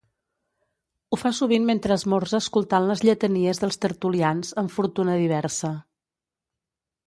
Ho fa sovint mentre esmorza escoltant les lletanies dels tertulians, amb fortuna diversa.